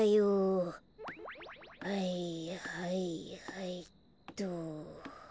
はいはいはいっと。